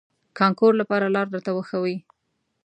کانکور لپاره لار راته وښوئ.